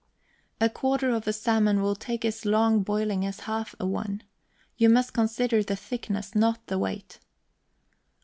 A quarter of a salmon will take as long boiling as half a one. You must consider the thickness, not the weight.